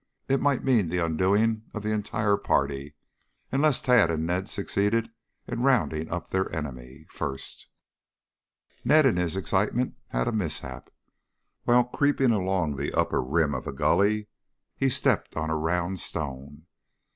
It might mean the undoing of the entire party unless Tad and Ned succeeded in rounding up their enemy first. Ned, in his excitement, had a mishap. While creeping along the upper rim of a gully he stepped on a round stone.